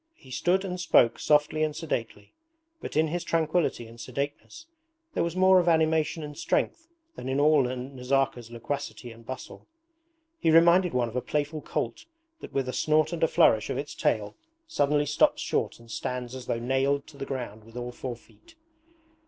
He stood and spoke softly and sedately, but in his tranquillity and sedateness there was more of animation and strength than in all Nazarka's loquacity and bustle. He reminded one of a playful colt that with a snort and a flourish of its tail suddenly stops short and stands as though nailed to the ground with all four feet.